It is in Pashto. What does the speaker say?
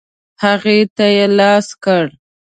هغې ته یې لاس کړ.